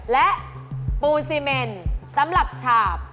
และปูซีเมนสำหรับฉาบ